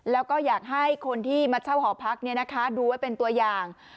แล้วก็อยากให้คนที่มาเช่าหอพักดูไว้เป็นตัวอย่าง